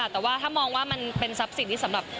แต่ว่าถ้ามองว่ามันเป็นทรัพย์สินที่สำหรับ